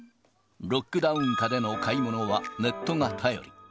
ロックダウン下での買い物はネットが頼り。